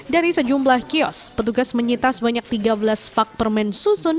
dari sejumlah kios petugas menyita sebanyak tiga belas pak permen susun